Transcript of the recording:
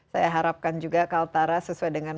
saya harapkan juga kaltara sesuai dengan